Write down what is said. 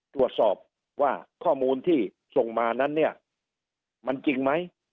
ตรวจสอบว่าข้อมูลที่ส่งมานั้นเนี่ยมันจริงไหม